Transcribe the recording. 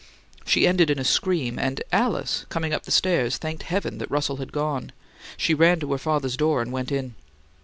She ended in a scream; and Alice, coming up the stairs, thanked heaven that Russell had gone. She ran to her father's door and went in.